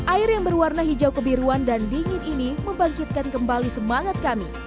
air yang berwarna hijau kebiruan dan dingin ini membangkitkan kembali semangat kami